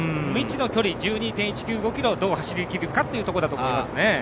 未知の距離、１２．１９５ｋｍをどう走ってくるかというところですね。